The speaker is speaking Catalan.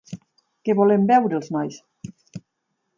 Què volen beure els nois?